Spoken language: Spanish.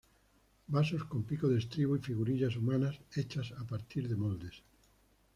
Vasos con pico de estribo y figurillas humanas hechas a partir moldes.